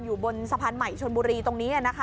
อยู่บนสะพานใหม่ชนบุรีตรงนี้นะคะ